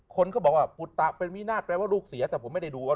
คนก็บอกว่าปุตตะเป็นวินาศแปลว่าลูกเสียแต่ผมไม่ได้ดูว่า